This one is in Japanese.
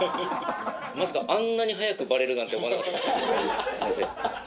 まさかあんなに早くバレるなんて思わなかったすいません。